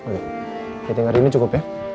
oke tinggal hari ini cukup ya